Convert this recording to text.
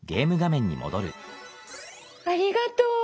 ありがとう。